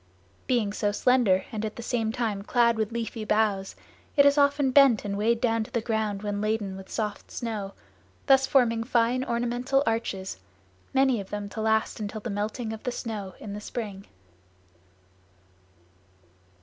Being so slender and at the same time clad with leafy boughs, it is often bent and weighed down to the ground when laden with soft snow; thus forming fine ornamental arches, many of them to last until the melting of the snow in the spring.